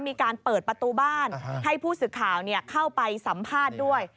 มีการเปิดประตูบ้านให้ผู้สื่อข่าวเข้าไปสัมภาษณ์ด้วย